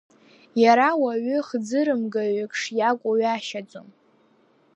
Иара уаҩы хӡырымгаҩык шиакәу ҩашьаӡом.